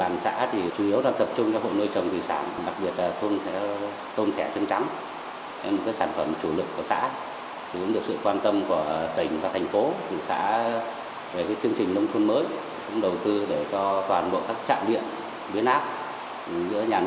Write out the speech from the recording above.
nói chung là trên địa bàn xã thì chủ yếu là tập trung cho vụ nuôi chồng thủy sản